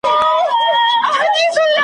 وطن ډک دئ له جاهلو ساده گانو .